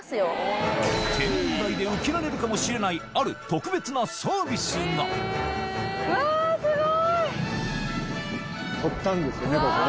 展望台で受けられるかもしれないある特別なサービスが東端ですよね